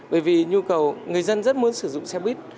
bởi vì nhu cầu người dân rất muốn sử dụng xe buýt